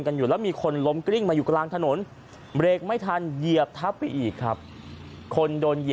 อยู่แล้วมีคนล้มกริ้งมาอยู่กลางถนนเบรกไม่ทันเหยียบทับไปอีกครับคนโดนเหยีย